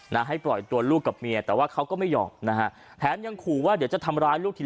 นะให้ปล่อยตัวลูกกับเมียแต่ว่าเขาก็ไม่ยอมนะฮะแถมยังขู่ว่าเดี๋ยวจะทำร้ายลูกทีละ